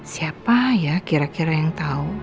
siapa ya kira kira yang tahu